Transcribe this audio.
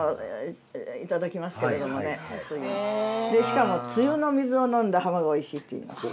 しかも梅雨の水を飲んだ鱧がおいしいっていいます。